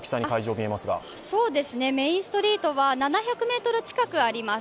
メインストリートは７００ｍ近くあります。